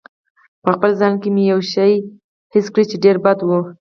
په خپل ځان کې مې یو شوم حس وکړ چې ډېر بد و.